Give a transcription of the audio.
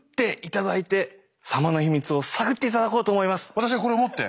私がこれを持って？